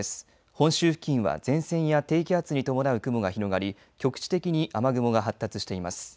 本州付近は前線や低気圧に伴う雲が広がり局地的に雨雲が発達しています。